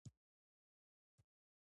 په دې کې ساعتي او ورځني مزدونه شامل دي